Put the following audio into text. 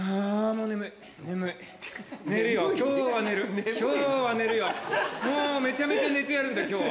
もうめちゃめちゃ寝てやるんだ今日は。